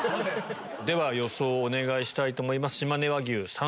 では予想お願いしたいと思います。